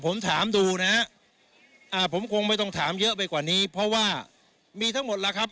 ผมถามดูนะฮะอ่าผมคงไม่ต้องถามเยอะไปกว่านี้เพราะว่ามีทั้งหมดแล้วครับ